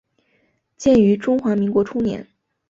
建于中华民国初年。